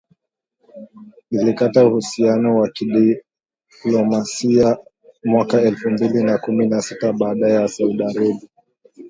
ilikata uhusiano wa kidiplomasia mwaka elfu mbili na kumi na sita baada ya Saudi Arabia